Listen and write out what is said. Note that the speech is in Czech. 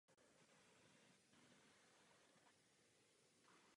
Atmosféra je důležitou ochranou života před kosmickým zářením.